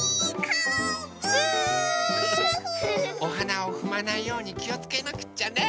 おはなをふまないようにきをつけなくっちゃね。